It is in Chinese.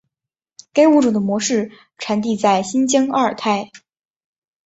该物种的模式产地在新疆阿尔泰。